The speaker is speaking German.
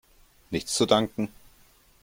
Nichts zu danken!